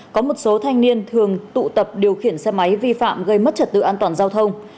có một số thanh niên thường tụ tập điều khiển xe máy vi phạm gây mất trật tự an toàn giao thông